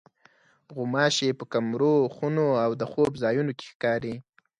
غوماشې په کمرو، خونو او د خوب ځایونو کې ښکاري.